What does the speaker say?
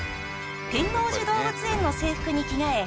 天王寺動物園の制服に着替え